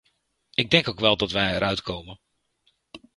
Ik denk ook wel dat wij er uitkomen.